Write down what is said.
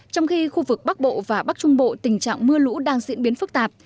trong khi khu vực bắc bộ và bắc trung bộ tình trạng mưa lũ đang diễn biến phức tạp